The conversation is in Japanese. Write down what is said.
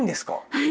はい。